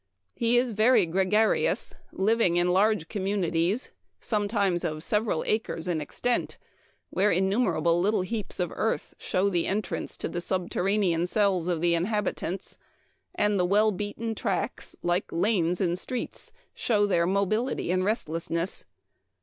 He is very gre garious, living in large communities, some times of several acres in extent, where innumer able little heaps of earth show the entrance to the subterranean cells of the inhabitants ; and the well beaten tracks, like lanes and streets, show their mobility and restlessness.